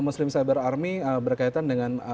muslim cyber army berkaitan dengan